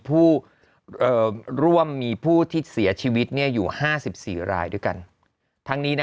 ผู้ร่วมมีผู้ที่เสียชีวิตอยู่๕๔รายด้วยกันทั้งนี้